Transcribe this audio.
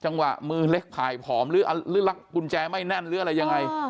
มือเล็กผ่ายผอมหรือรักกุญแจไม่แน่นหรืออะไรยังไง